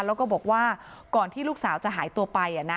แล้วก็บอกว่าก่อนที่ลูกสาวจะหายตัวไป